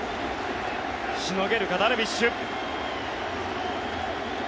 しのげるか、ダルビッシュ。